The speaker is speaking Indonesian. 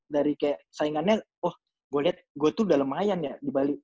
dari kayak saingannya oh gue lihat gue tuh udah lumayan ya di bali